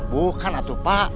bukan atuh pak